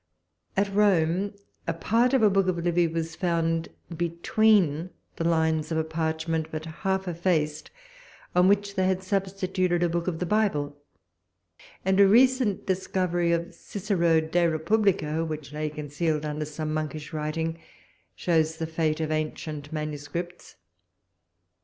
At Rome, a part of a book of Livy was found, between the lines of a parchment but half effaced, on which they had substituted a book of the Bible; and a recent discovery of Cicero De Republicâ, which lay concealed under some monkish writing, shows the fate of ancient manuscripts.